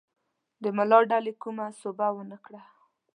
د ملا ډلې کومه سوبه ونه کړه.